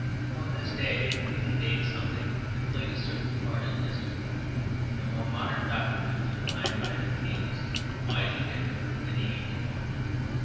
From this day really dates something that played a certain part in history, the more modern doctrine of the divine right of kings, widely different from the mediæval one.